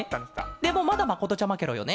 でもまだまことちゃまケロよね？